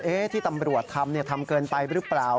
ที่ตำรวจทำทำเกินไปหรือเปล่า